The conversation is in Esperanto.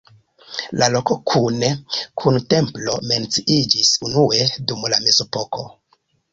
La loko kune kun templo menciiĝis unue dum la mezepoko.